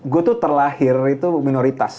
gue tuh terlahir itu minoritas